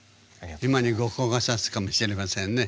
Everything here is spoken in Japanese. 今に後光がさすかもしれませんね。